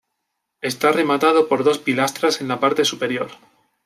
Está rematado por dos pilastras en la parte superior.